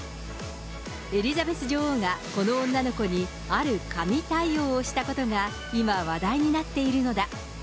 エリザベス女王がこの女の子にある神対応をしたことが、今話題になっているのだ。